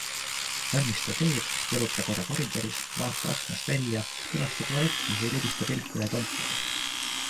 Valmista teed, jaluta korra koridoris, vaata aknast välja, külasta tualetti või libista pilk üle kontori.